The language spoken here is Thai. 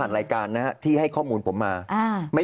ให้ให้ข้อมูลผมมา